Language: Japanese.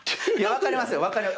いや分かりますよ。